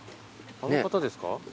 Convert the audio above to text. あの方ですか？